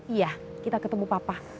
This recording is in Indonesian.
iya kita ketemu papa